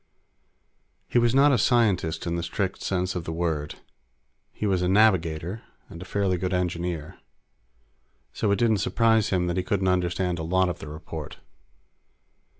He was not a scientist in the strict sense of the word. He was a navigator and a fairly good engineer. So it didn't surprise him any that he couldn't understand a lot of the report.